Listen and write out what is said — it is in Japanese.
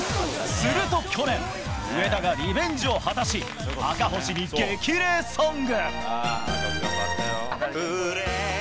すると去年、上田がリベンジを果たし、赤星に激励ソング。